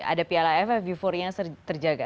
ada piala aff euforia yang terjaga